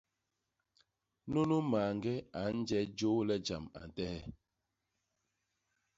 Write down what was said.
Nunu mañge a nje jôôle jam a ntehe.